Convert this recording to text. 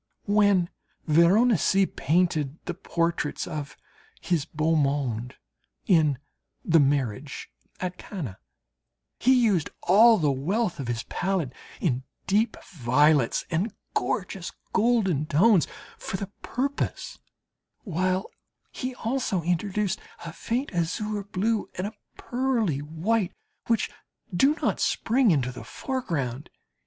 When Veronese painted the portraits of his beau monde in the "Marriage at Cana," he used all the wealth of his palette in deep violets and gorgeous golden tones for the purpose, while he also introduced a faint azure blue and a pearly white which do not spring into the foreground.